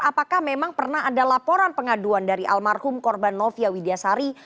apakah memang pernah ada laporan pengaduan dari almarhum korban novia widyasari